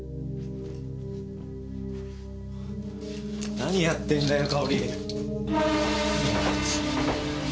何やってんだよかおり。